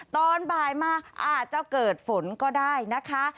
ตอนบ่ายมาอาจจะเกิดฝนก็ได้นะคะ